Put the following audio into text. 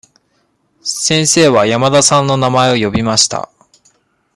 先生は山田さんの名前を呼びました。